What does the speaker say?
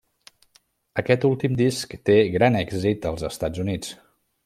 Aquest últim disc té gran èxit als Estats Units.